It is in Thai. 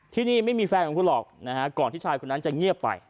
ที่นี่ไม่มีแฟนของคุณหรอกนะฮะก่อนที่ชายคนนั้นจะเงียบไป